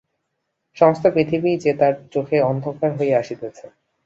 সমস্ত পৃথিবী যে তার চোখে অন্ধকার হইয়া আসিতেছে।